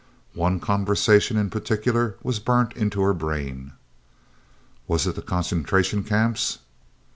One conversation in particular was burnt into her brain. "Was it the Concentration Camps?"